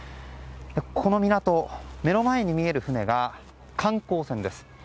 この港、目の前に見える船が観光船です。